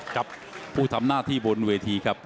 ครับผู้ทำหน้าที่บนเวทีครับ